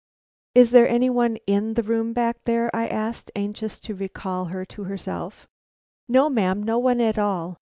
"Is there any one in the room back there?" I asked, anxious to recall her to herself. "No, ma'am, no one at all.